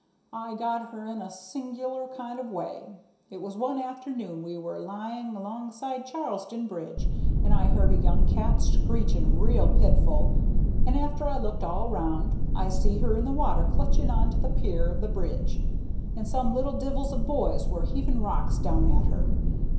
I got her in a sing'lar kind of way: it was one afternoon we were lying alongside Charlestown Bridge, and I heard a young cat screeching real pitiful; and after I looked all round, I see her in the water clutching on to the pier of the bridge, and some little divils of boys were heaving rocks down at her.